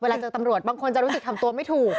เจอตำรวจบางคนจะรู้สึกทำตัวไม่ถูก